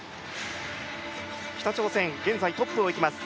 北朝鮮、現在トップをいきます